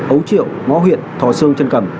ấu triệu ngõ huyện thò sương trân cẩm